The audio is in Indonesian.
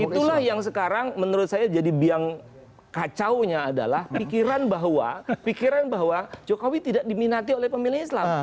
itulah yang sekarang menurut saya jadi biang kacaunya adalah pikiran bahwa jokowi tidak diminati oleh pemilih islam